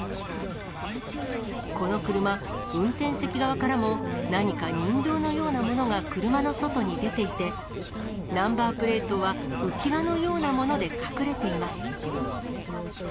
この車、運転席側からも何か人形のようなものが車の外に出ていて、ナンバープレートは浮き輪のようなもので隠れています。